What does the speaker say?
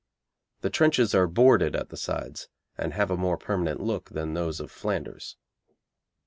The trenches are boarded at the sides, and have a more permanent look than those of Flanders.